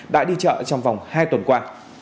đã đi chợ trong vòng hai tuần qua